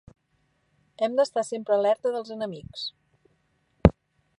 Hem d'estar sempre alerta dels enemics.